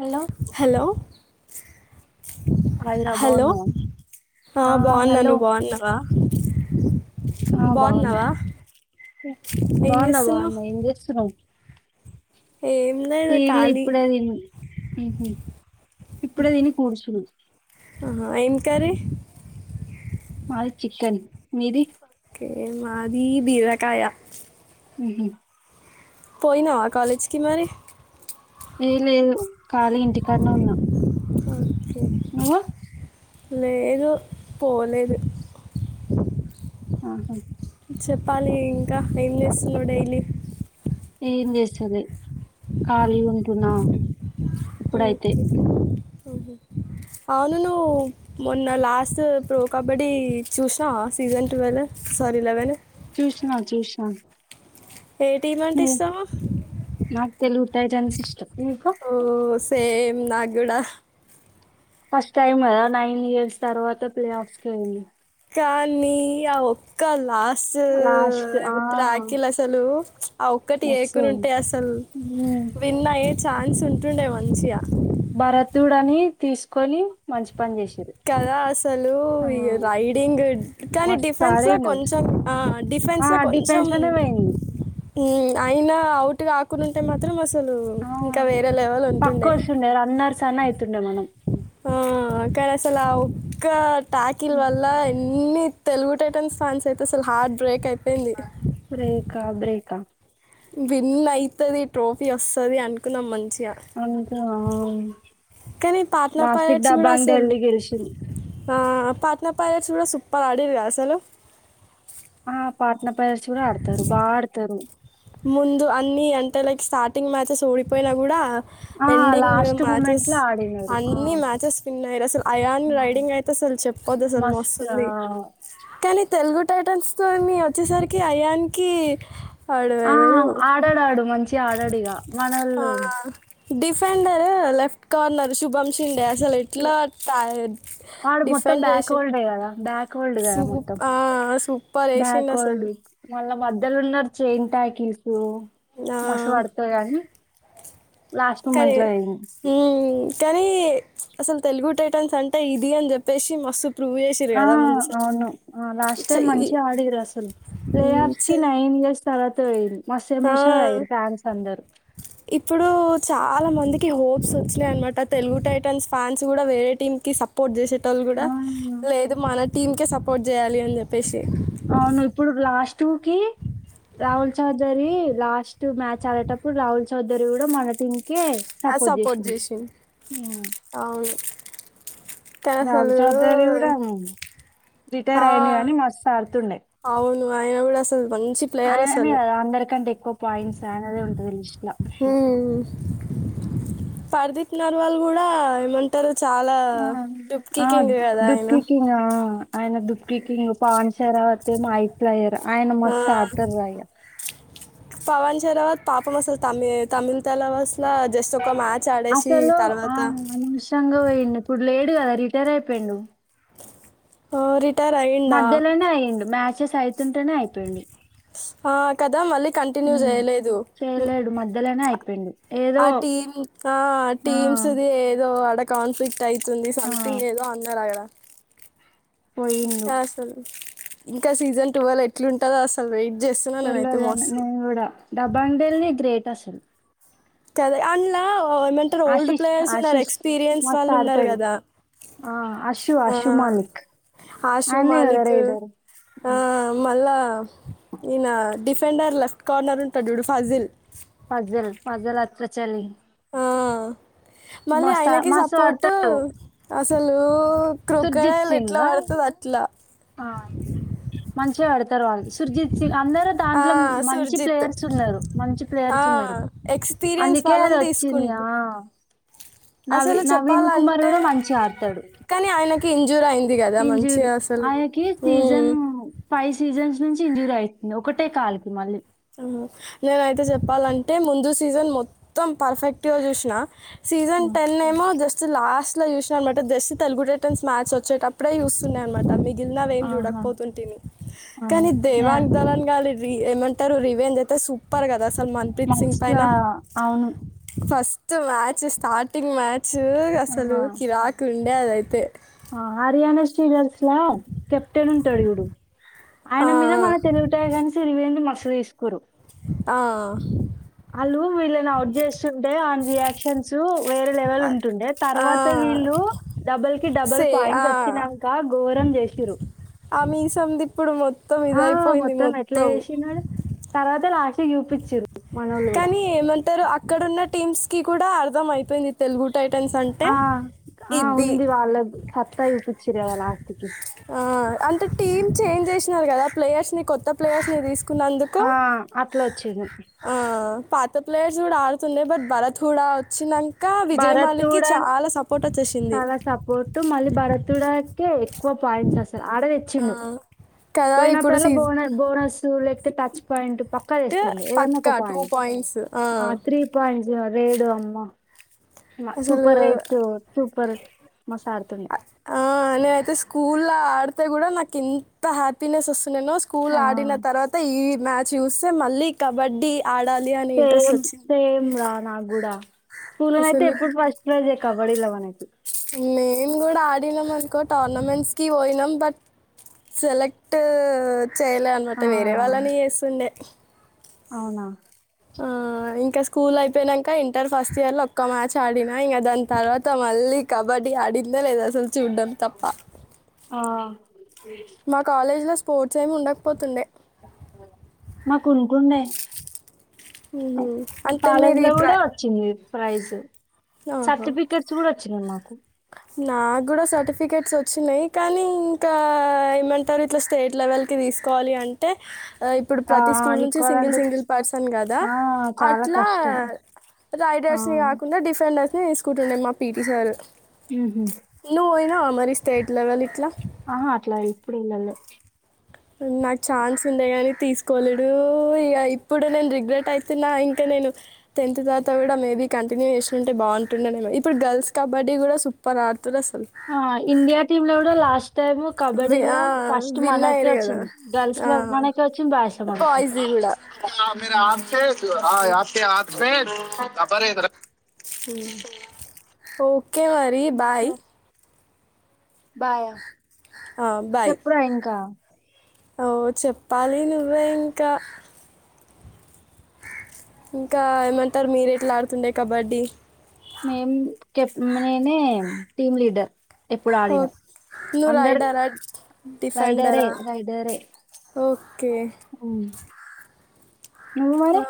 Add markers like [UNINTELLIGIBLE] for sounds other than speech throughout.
Hello hello హాయిరా hello బాగున్నావా హా ఆ బాగున్నాను హలో నువ్ బాగున్నావా ఆ బాగున్నా బాగున్నావా ఏం బాగున్నా చేస్తున్నావు బాగున్నా ఏం చేస్తున్నావ్ ఏం లేదు ఏళె ఖాళీ ఇప్పుడే దిన్ మ్మ్ హ్మ్ ఇప్పుడే దిని కూర్చున్ ఆహా ఏం కారే మాది చికెన్ మీది ఓకే మాది బీర్రకాయ ఉంహు పోయినావా కాలేజ్కి మరి ఏ లేదు కాలి ఇంటికాన్నే ఉన్నా ఓకే అ లేదు పో లేదు అ హా చెప్పాలి ఇంకా ఏం చేస్తున్నావ్ డైలీ ఏం చేస్త లే ఖాళీ ఉంటున్నా ఇప్పుడైతే ఓకే అవును నువ్వు మొన్న లాస్ట్ ప్రో కబడ్డీ చూసినావ సీజన్ టువల్ సారీ లెవెన్ చూసిన చూసినా ఏ టీమ్ అంటే నువ్వు ఇష్టం నాకు తెలుగు టైటాన్స్ ఇష్టం నీకు ఓ సేమ్ నాగూడ ఫస్ట్ టైమ్ కదా నైన్ ఇయర్స్ తర్వాత ప్లే ఆఫ్స్కికి వెళ్లింది కానీ ఆ ఒక్క లా సో లాస్ట్ ఆ ఎవత్ర రాఖిల అసలు ఆ ఒక్కటి మస్తు ఏకుని ఉంటే అసల్ ఉమ్, విన్ ఆయె ఛాన్స్ ఉంటుండే మంచిగా భరతుడు అని తీసుకొని మచ్ కదా అసలు ఈ రైడింగ్ కానీ మస్తు డిఫెన్స్ లో ఆడిండు కొంచెం ఆ ఆ డిఫెన్స్ లో కొంచెం డిఫెన్స్ లోనే పోయింది ఉం అయినా అవుట్ గాకుంటే మాత్రం అసల్ లు ఆ ఇంకా వేరే లెవెల్ ఉంటుండే సన్న అయితుండే మనం ఆ కరసలావు ఒక్క టాకీల్ వల్ల ఎన్ని తెలుగు టైటాన్స్ ఫాన్స్ అయితే అసలు హార్ట్ బ్రేక్ అయిప్ బ్రేక్ క బ్రేకా విన్ అయితది ట్రోఫీ వస్సది అనుకున్నాం మంచి య ఆ లాస్టిక్ పైరట్స్ కూడా దాబాంగ్ అసలు డేల్లీ గెలిచింది ఆ పాట్న పైలేట్స్ కూడ సూప్పర్ ఆడిండ్రుగా అసలు ఆ పట్నా చిన్న ప్లేయర్స్ కూడ ఆడతారు బా ఆడతరు ముందు అన్నీ అంతే లైక్ స్టార్టింగ్ మ్యాచెస్ ఓడిపోయినా కూడ ఆ ఎండింగ్ లాస్ట్ మూమెంట్ మ్యాచెస్ లో ఆడినారు ఆ అన్ని మ్యాచెస్ విన్ అసలు అయాన్ రైడింగ్ అయితే అసలు చెప్పద్దు అసల్ మస్త్ మస్తుంది కానీ తెలుగు టైటాన్స్ తోని వచ్చేసరికి అయాన్ కి ఆ ఆడాడాడు మంచి ఆడాడిగా ఆ మనోళ్లు డిఫెండర్ లేఫ్ట్ కార్నర్ శుభం సిండే అసలు ఎట్లా ట వాడు మొత్తం డిఫెండ్ బ్యాక్ చేసి హోల్డే కదా బ్యాక్ హోల్డ్ కదా సూప్ మొత్తం ఆ సూపర్ వేసింది అసలు మధ్యలు ఉన్నారు చేన్ టాకిస్ ఓ ఆ మస్స్ వాడుతకానీ కదరు హ్మ్మ్ కానీ అసలు తెలుగు టైటన్స్ అంటే ఇది అని చెప్పేసి మస్త్ ఆ అవును లాస్ట్ చ- టైమ్ ఈ- మంచిగా ఆడరు అసలు ప్లే ఉమ్, ఆఫ్ కి చ- నైన్ ఇయర్స్ తర్వాత పోయింది మస్త్ ఎమోషన్ ఆ, అయారు ఫ్యాన్స్ అందరు ఇప్పుడు చాలా మందికి హోప్స్ వచ్చినాయనమాట తెలుగు టైటన్స్ ఫ్యాన్స్ కూడా వేరే టీమ్ కి సపోర్ట్ చేసే కూడా ఆ లేదు మన టీం కే సప్ కోర్ట్ చేయాలి అని చెప్పేసి అవును ఇప్పుడు లాస్ట్ కి Rahul Chowdary last two match ఆడేటప్పుడు రాహుల్ చౌదరి కూడా మనటిం సపోర్ట్ చేసింది ఉమ్. అవును కానీ రాహుల్ అసలు చౌదరి కూడా రిటైర్ ఆ, అయి్యంది కానీ మస్తు ఆడుతుండే [INAUDIBLE] ప్లేయర్ ఆయననే అసలు కదా అందరికంటే ఎక్కువ పాయింట్స్ ఆయనది ఉంటుంది అ హ్మ్మ్ పార్దిక్ నర్వాల్ కూడా ఏమంటారు చాలా ఆ డుప్కీ ఆ కింగ్ కదా ఆయన దుఃఖకింగా ఆయన దః పకి స్పాన్సర్ అవతే మైట్లయర్ ఆయన ఆ, మస్తు ఆడతరు అయ్యా తర్వాత పాపం అసలు త తమిళ తల అసల జస్ట్ ఒక మ్యాచ్ ఆడేసి అసలు ఆ తర్వాత అనషంగా పోయండి ఇప్పుడు లేదు కదా రిటైర్ అయిపోయిండు ఆ రి మధ్యలోనే అయ్యిండు మ్యాస్ చ్చేస్ ఐతుంటేనే అయిపోయింది ఆ కదా మళ్ళీ కంటిన్యూ చేయలేదు పెండి ఆ టీమ్ ఆ టీమ్స్ ది ఏదో అడక్ కాన్ఫ్లిక్ టైతుంది ఆ సంథింగ్ ఏదో అన్నార కదా పోయిండు యాసలు ఇంకా సీజన్ టువల్ ఎట్లుంటందో అసలు వెయిట్ చేస్తున్నా నేనైతే తెర్లేదు గాని మస్తు నేను కూడా డబాంగ్ దెళ్ళి గ్రేట్ అసలు కదే అన్లావ్ ఓయ్మెంటరు ఓల్డ్ ఆశిష్ ప్లేయర్స్ ఉన్నారు ఆశిష్ ఎక్స్పీరియన్స్ మస్త్ వాళ్ళున్నారు ఆడతాడు కదా ఆ అషు ఆ అషు మాలిక్ ఆషు ఆయనే కదా మాలిక్ రైడర్ ఆ మళ్ళా ఈయన డిఫెండర్ లెఫ్ట్ కార్నరుంటాడు చూడు ఫజిల్ ఫజల్ ఫజల్ అత్రచల్లి ఆ మళ్ళీ ఆయనకి మస్తు సపోర్టు ఆడతారు అసలు సుర్జిత్ క్రొకడైల్ ఎట్ల సింగ్ పడుతుదో అట్లా ఆ మంచిగ అడుతారు వాళ్ళు సుర్జిత్ సింగ్ అందరూ ఆ దాంట్లో మంచి సుర్జిత్ ప్లేయర్స్ ఉన్నారు మంచి ఆ ప్లేయర్స్ ఉన్నారు ఎక్స్పీరియన్స్ అందుకే అది వాళ్ళని వచ్చింది ఆ తీసుకుంటు నవి అసలు నవీన్ కుమార్ చెప్పాలంటే కూడా మంచిగ ఆడతాడు కి ఇంజూర్ అయింద్ ది కదా ఇంజురీ మంచిగా అసలు ఆయనకి ఉమ్మ్ సీజన్ ఫైవ్ సీజన్స్ నుంచి ఇంజూర్ ఐతుంది ఒకటే కాలికి మళ్ళీ నేనయితే చెప్పాలంటే ముందు సీజన్ మొత్తం పర్ఫెక్ట్గా చూసిన సీజన్ ఆ, టెన్ ఏమో జస్ స్ లాస్ట్ లో చూసినా అనమాట జస్ట్ తెలుగు టైటన్స్ మ్యాచ్ వచ్చేటప్పుడే చూస్తున్నా అనమాట మీక్ గిన్లావేం ఆహా చూడకపోతుంటిని ఆహా కానీ యా, దేవాంగ్ దాలన్ గాలి రి ఏమెంట్ టారు రివెంజ్ అయితే సూపర్ కదస్ మస్త్ ఆ అవును స్ట్ మ్యాచ్ స్టార్టింగ్ మ్యా చ్చ్ అసలు ఆ, కిరాకు ఉన్ లేేద అయితే ఆ హర్యానా స్టీడర్స్ లా కెప్టెన్ ఉంటాడు ఇప్పుడు ఆయన ఆ! మీద మన తెలుగుటాయి రివెంజ్ మ తీస్కురు ఆ వాళ్ళు వీళ్ళని అవుట్ చేస్తుంటే అ రియాక్షన్స్ వేరే లెవెల్ ఉంటుండే ఆ! తర్వాత వీళ్ళు డబల్ కి డబల్ సే పాయింట్స్ ఆ! వచ్చినాక ఘోరం చేసిర ఆ మీసంది ఇప్పుడు మొత్తం ఆ ఇదైపోయింది మొత్తం ఎట్లా చేసినాడు తర్వాత లాస్ట్ టి చుపిచురు కానీ ఏమంటారు అక్ క్కడున్న టీమ్స్ కి కూడా అర్థం అయిపోయింది తెలుగు టైటన్స్ అంటే ఆ ఆ ఇది ఉంది వాళ్ళ సత్తా చూపించరు కదా లాస్ట్ కి ఆ, అంటే టీమ్ చేంజ్ చేసినారు కదా ప్లేయర్స్ ని కొత్త ప్లేయర్స్ ని తీసుకు ఆ అట్లా వాచింది ఆ పాత ప్లేయర్స్ కూడా ఆడుతుండీ బట్ భరత్ కూడా వచ్చి నాక ఇంకా భరత్ విజయమాలికి కూడా చాలా సపోర్ట్ వచ్చేసి చాలా సపోర్ట్ మళ్ళీ భరత్డా కి ఎక్కువ పాయింట్స్స్త ఆడర్ ఆ, తెచ్చిండు కదా ఇప్పుడు పోయినప్పుడలా సీట్ బోన బోనస్ లేకపోతే టచ్ పాయింట్ పక్కా తెస్తుండు ఏదన్నా ఒక పక్కా టూ పాయింట్ పాయింట్స్ ఆ త్రీ పాయింట్స్ వేడు అమ్మా అసలు సూపర్ అయిస్ పర్ ఆ నే అయితే స్కూల్ ఆడుత అ కూడా నాకు ఇంత హ్యాపీనెస్ అస్తుంది నేను స్కూల్ ఆ ఆడిన తర్వాత ఈ మ్యాచ్ చూస్తే మళ్ళీ కబడ్డీ ఆడాలి అని ఇంట్రెస్ట్ సేమ్ వచ్చింది సేమ్ రా నాకు కూడా స్కూల్న అయితే అసలు ఎప్పుడు ఫస్ట్ ప్రైజ్ ఎ కావ కాబాడిలావనకి మేము కూడా ఆడినాం అనుకో టోర్నమెంట్స్కి పోయినాం బట్ సెలెక్ట్ చేయలే అనమాట ఆ వేరే వాళ్ళని చేస్తుండే అవునా ఆ ఇంకా స్కూల్ అయిపోయినాక ఇంటర్ ఫస్ట్ ఇయర్ లో ఒక్క మ్యాచ్ ఆడినా ఇంకా దాని తర్వాత మళ్ళీ కబడ్డీ ఆడిందే లేదు అసలు చూడ్డం తప్ప ఆ, మా కాలేజ్ లో స్పోర్ట్స్ ఏమి ఉండకపోతుండే మాకు కొనుకుండే మ్మ్ హ్మ్ అంటే మీరు ఈ ట్రై ఫ్రైజ్ సర్టిఫికెట్స్ కూడా చ్చిన మాకు నాకు కూడా సర్టిఫికేట్స్ వచ్చినాయ్, కానీ ఇంకా ఏమంటారు ఇట్లా స్టేట్ లెవెల్కి తీసుకోవాలి అంటే, ఆ ఇప్పుడు ఆ, ప్రతి స్కూల్ నీకు నుంచి సింగిల్ కావాలంటే సింగిల్ పర్సన్ కదా ఆ! చాలా అట్లా కష్టం. ఆ! రైడర్స్ని కాకుండా డిఫెండర్స్. తీసుకుంటుండే మా పిటీ సార్ మ్మ్ హ్మ్ నావ మరి స్టేట్ లెవల్ ఇట్లా ఆ హ అట్లా ఎప్పుడు ఇంగెల్లే మ్మ్ నాకు ఛాన్స్ ఉండే గానీ తీసుకోలేడు. ఇగ ఇప్పుడు నేను రిగ్రెట్ అయితున్నా, ఇంకా నేను టెన్త్ తవాత కూడా మే బీ కంటిన్యూ చేసుంటే బాగుంటుండెనేమో ఇప్పుడు గర్ల్స్ కబడ్డీ కూడా సూప్పర్ ఆడ్ ఆ ఇండియా టీమ్ లో లాస్ట్ టైమ్ కబడీ లో ఫస్ట్ విన్ మనకే అయ్యారు కదా వచ్చింది. గర్ల్స్ లో మనకే వచ్చింది బాయ్స్ లో మనకే. బాయ్స్ కూడా బర అదార హో కే మరి ఇంకా బాయ్ బాయా ఆ, బాయ్ చెప్పురా ఇంకా ఓ చెప్పాలి నువ్వే ఇంకా ఇంకా ఏమంటారు మీరు ఎట్లా ఆడుతుండే కబడ్డీ మేం కెప్ నేనే టీమ్ లీడర్ ఎప్పుడు ఆడినా. నువ్ అందరు రైడరా రైడరే, డిఫెండరా రైడరే. ఓఫ్ కే నువు మరి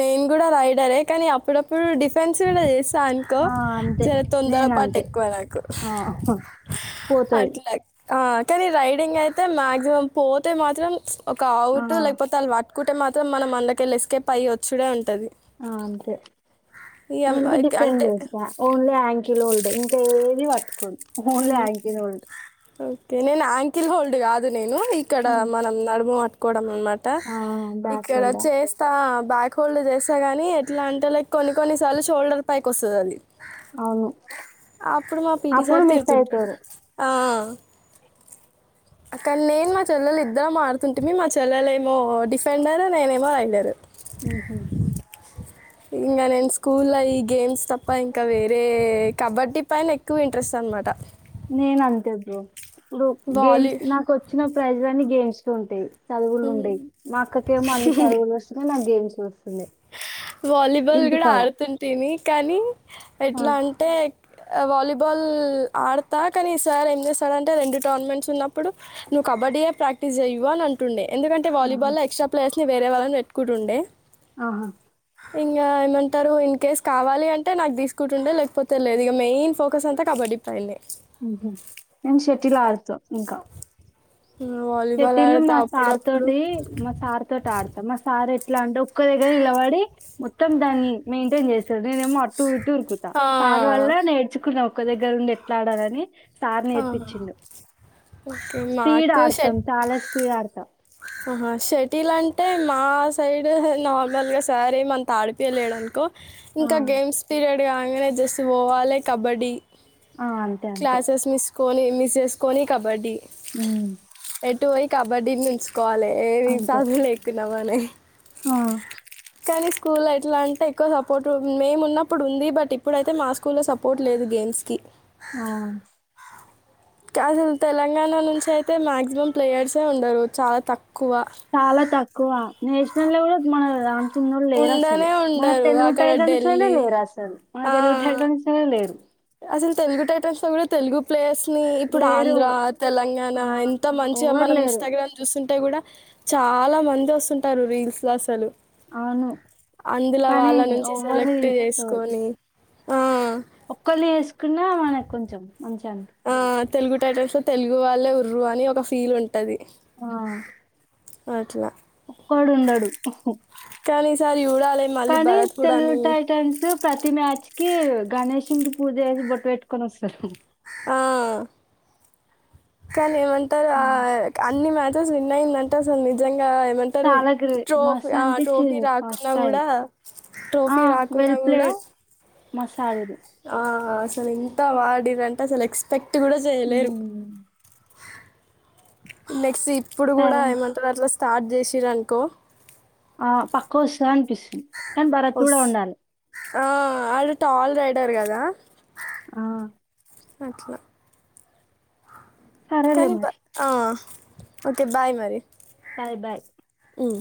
నేను కూడా రైడరే కానీ అప్పుడప్పుడు డిఫెన్స్ కూడా చేస్ తా అనుకో ఆ! అంతే. జర తొందర పాటు నేనంతే. ఎక్కువ నాకు ఆ! పోతది. అట్లై ఆ కానీ రైడింగ్ అయితే మాగ్జిమం పోతే మాత్రం ప్చ్ ఒక ఔట్ ఆ! లేకపోతే అళ్ వాట్ కుటే మాత్రం మనం అంద్లకెళ్లి ఎస్కేప్ అయ్యొచ్చుడే ఉంటది ఆ అంతే ఇగ నేనుడి ఇక డిఫెండ్ అంటే చేస్తా ఓన్లీ యాంకిలోల్డ్ ఇంకా ఏది వట్ కోన్ ఓన్లీ యాంకిల్ హోల్డ్ కె నేను ఆంకిల్ హోల్డ్ కాదు నేను ఇక్కడ మనం నడుము అట్ కోడం అన్ మా ట ఆ బ్యాక్ ఇక్కడ సైడ్ చేస్తా బ్యాక్ హోల్డర్ చేస్తా గాని ఎట్లా అంటే లైక్ కొన్ని కొన్నిసార్లు షోల్డర్ పైకి వస్తది అది అవును అప్పుడు మా అప్పుడు పిటిసారి మిస్ తిరడుతుంటడు అయితారు ఆ కానీ నేను మా చెల్లెలు ఇద్దరు ఆడుతుంటిమి మా చెల్లలు ఏమో డిఫెండర్ నేనేమో రైడర్ ఇంకా నేను స్కూల్లో ఈ గేమ్స్ తప్ప ఇంకా వేరే కబడ్డీ పైన ఎక్కువ ఇంట్రెస్ట్ అనమాట నేను అంతె జేస్ ప్పు వాలీ గేమ్స్ నాకు వచ్చిన ప్రైజ్ అన్ని గేమ్స్ తుంటి చదువులు ఉండయ్ మాక్కకేమో అన్ని చదువుల ఒస్ [UNINTELLIGIBLE] గేమ్స్ వస్తుండే వాలీబాల్ కూడా ఆడుతుంటిని కానీ ఆ, ఎట్లా అంటే అ వాలీబాల్ ఆడతా కానీ ఈసారి ఏం చేస్తాడంటే రెండు టోర్నమెంట్స్ ఉన్నప్పుడు నువ్వు కబడ్డీయే ప్రాక్టీస్ చెయ్యవు అని అంటుండే ఎందుకంట ఆహా వాలీబాల్లోఎక్ట్రా ప్లేయస్ వేరే వాళ్ళని పెట్టుకుంటుండే ఆహా ఇంకా ఏమంటరు ఇన్ కేస్ కావాలి అంటే నాకు తీసుకుంటుండే లేకపోతే లేదు ఇక మెయిన్ ఫోకస్ అంతా కబడ్డీ పైనే నేను షటిల్ ఆడుత ఇంకా వాలీబాల్ షెటిల్లు ఆడతా మా సార్ అప్పుడప్పుడు తోటి మా సార్ తోటడతా మా సారెట్ ట్లా అంటే ఒక్క ద నిలబడి మొత్తం దాన్ని మెయింటైన్ చేస్తాడు నేనేమో అటు ఇట్ ఉరుకుతా ఆ, సార్ వల్ల నేర్చుకున్న ఒక్క దగ్గర ఉండి ఎట్ల ఆడాలని సార్ అవునా నేర్పించిండు ఓకే నాట్ కోస్ మేం తాలా స్పీడ్ ఆడతం ఆహ షటిల్ అంటే మా సైడ్ అహ్ నార్మల్గా సారెమంత ఆడిపియలేడునుకో ఆ ఇంకా గేమ్స్ పీరియడ్ ఇగ ఆంగనే జస్ పోవాలి కబడ్డీ ఆ అంతే అంతే కోని మిస్ చేసుకోని కబడ్డీ ఊ పోయి కబడ్డీ నుంచ్ కాలే ఏవి అంతే చదు లేకున మనే ఆ కానీ స్కూల్లో ఎట్లా అంటే ఎక్కువ సపోర్ట్ మేము ఉన్నప్పుడు ఉంది బట్ ఇప్పుడైతే మా స్కూల్లో సపోర్ట్ లేదు గేమ్స్ కి అఓ అసలు తెలంగాణ నుంచి అయితే మాక్సిమం ప్లేయర్స్ ఏ ఉండరు చాలా తక్కువ చాలా తక్కువ నేషనల్ లెవెల్ మన ఉన్నొలు లేరు అసలు ఉండనే మన ఉండరు తెలుగు అక్కడ టైటన్స్ లోనే ఢిల్లీ లేరు అసలు మన ఆ, తెలుగు టైటన్స్నే లేరు అసలు తెలుగు టైటన్స్ లో కూడా తెలుగు ప్లేయర్స్ ఇప్పుడు లేరు ఆంధ్ర తెలంగాణ ఆ ఎంత మంచిగా ఎవరు మనం లేరు ఇన్స్టాగ్రామ్ చూస్తుంట అంటే కూడా చాలా మంది వస్తుంటారు రీల్స్ లో అసలు అవును అందులో కానీ వాళ్ళ నుంచి ఎవ్వరు సెలెక్ట్ తీసుకోరు చేసుకొని ఆ క్కలు వేసుకున్నా మన కి కొంచెం మంచిగా టైటన్స్ లో తెలుగు వాళ్ళే ఉర్రు అని ఒక ఫీల్ ఉంటది ఆ అట్లా ఒక్కడు ఉండడు కానీ ఈ సారి కానీ తెలుగు టైటన్స్ ప్రతి మ్యాచ్ కి గణేశం కి పూజ చేసి బొట్టు పెట్టుకున్ని వస్తారు ఆ కని మేం మంత ఉమ్. అన్ని మచ్ టన్స్ విన్ అయింది అంట సార్ నిజంగా ఇంకా ఏమంటారు చాలా గ్రేట్ ట్రోఫీ మస్తు ఆ ట్రోఫీ అనిపించింది ఫస్ట్ రాకున్నా టైం కూడా ట్రోఫీ రాకున్నా కూడా మసాలె ఆసలు ఎంత బాగా ఆడింది అంటే అస ల ఎక్స్పెక్ట్ ట్ కూడా చేయలేరు ఉమ్, మెక్సి ఇప్పుడు కూడా సరే ఏమంటది స్టార్ట్ చేసిరనుకో ఆ పాకుసన్ [INAUDIBLE] పిస్తుంది కానీ భరత్ కూడా వస్ ఉండాలి ఆ వాడు టాల్ రైడర్ కదా ఆ అట్ల సరేలే కనీప మరి ఆ ఒకే బాయ్ మరి బాయ్ బాయ్ హమ్